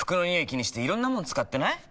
気にしていろんなもの使ってない？